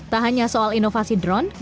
tak hanya soal inovasi drone